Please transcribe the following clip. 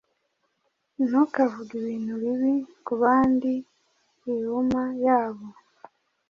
Ntukavuge ibintu bibi kubandi iuma yabo.